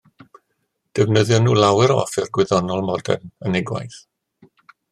Defnyddion nhw lawer o offer gwyddonol modern yn eu gwaith.